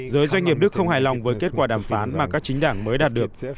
giới doanh nghiệp đức không hài lòng với kết quả đàm phán mà các chính đảng mới đạt được